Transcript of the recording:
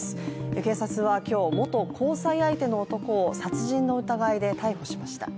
警察は今日、元交際相手の男を殺人の疑いで逮捕しました。